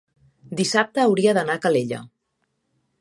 dissabte hauria d'anar a Calella.